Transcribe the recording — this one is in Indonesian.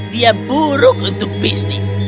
dia buruk untuk bisnis